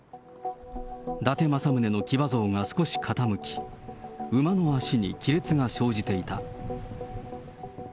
伊達政宗の騎馬像が少し傾き、馬の足に亀裂が生じていた。